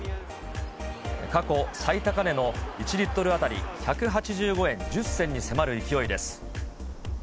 過去最高値の１リットル当たり１８５円１０銭に迫る勢いです。